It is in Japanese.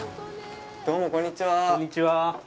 どうも、こんにちは。